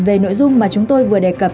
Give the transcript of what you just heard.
về nội dung mà chúng tôi vừa đề cập